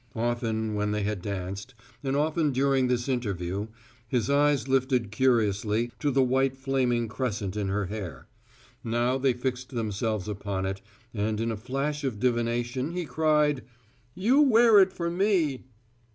Often, when they had danced, and often during this interview, his eyes lifted curiously to the white flaming crescent in her hair; now they fixed themselves upon it, and in a flash of divination he cried: "You wear it for me!"